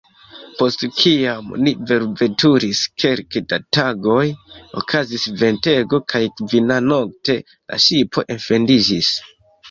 Post kiam ni velveturis kelke da tagoj, okazis ventego, kaj kvinanokte la ŝipo enfendiĝis.